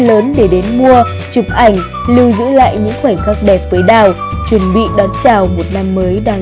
lớn để đến mua chụp ảnh lưu giữ lại những khoảnh khắc đẹp với đảo chuẩn bị đón chào một năm mới đang